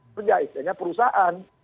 kerja istilahnya perusahaan